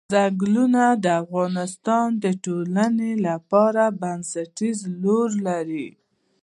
ځنګلونه د افغانستان د ټولنې لپاره بنسټيز رول لري.